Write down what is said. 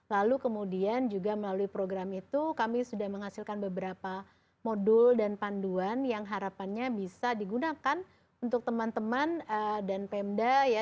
lalu kemudian juga melalui program itu kami sudah menghasilkan beberapa modul dan panduan yang harapannya bisa digunakan untuk teman teman dan pemda ya